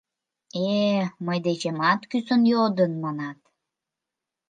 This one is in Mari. Э... мый дечемат кӱсын йодын, манат...